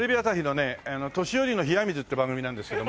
「年寄りの冷や水」っていう番組なんですけども。